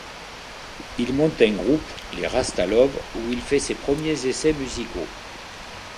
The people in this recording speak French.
Il monte un groupe, les Rasta Love où il fait ses premiers essais musicaux.